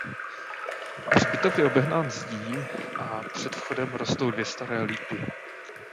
Hřbitov je obehnán zdí a před vchodem rostou dvě staré lípy.